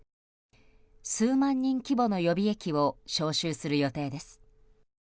数万人規模の予備役を招集する予定です。